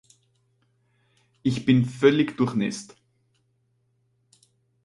Ich bin völlig durchnässt.